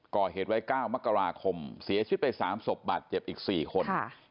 ก่อเหตุไว้๙มกราคมเสียชีวิตไป๓ศพบาดเจ็บอีก๔คน